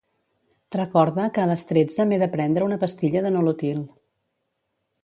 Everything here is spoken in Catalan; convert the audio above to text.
Recorda que a les tretze m'he de prendre una pastilla de Nolotil.